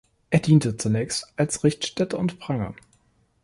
Er diente zunächst als Richtstätte und Pranger.